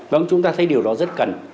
vâng chúng ta thấy điều đó rất cần